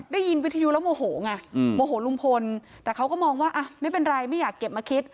วิทยุแล้วโมโหไงโมโหลุงพลแต่เขาก็มองว่าไม่เป็นไรไม่อยากเก็บมาคิด